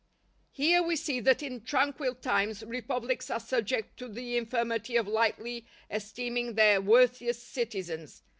Here we see that in tranquil times republics are subject to the infirmity of lightly esteeming their worthiest citizens.